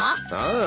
ああ。